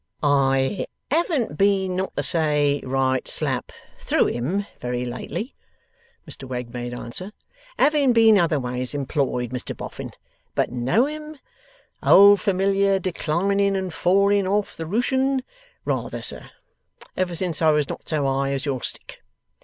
'I haven't been not to say right slap through him, very lately,' Mr Wegg made answer, 'having been otherways employed, Mr Boffin. But know him? Old familiar declining and falling off the Rooshan? Rather, sir! Ever since I was not so high as your stick.